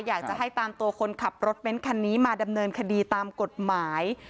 อยากจะให้ตามตัวคนขับรถเบ้นคันนี้มาดำเนินคดีตามกฎหมาย